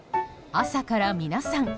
朝から皆さん